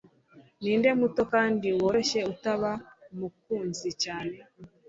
Ninde muto kandi woroshye utaba umukunzi cyane